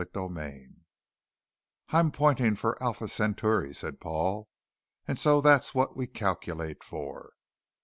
CHAPTER 5 "I'm pointing for Alpha Centauri," said Paul. "And so that's what we calculate for."